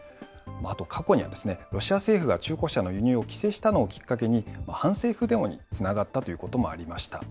過去にはロシア政府が中古車の輸入を規制したのをきっかけに、反政府デモにつながったということもありました。